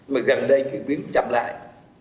mà gần đây chuyển biến chậm lại